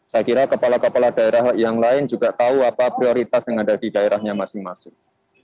saya kira kepala kepala daerah yang lain juga tahu apa prioritas yang ada di daerahnya masing masing